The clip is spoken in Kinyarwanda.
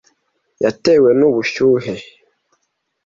Yatewe nubushyuhe.